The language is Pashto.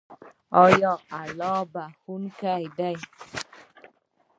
آیا الله بخښونکی دی؟